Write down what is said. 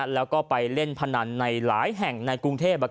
แล้วก็ไปเล่นพนันในหลายแห่งในกรุงเทพ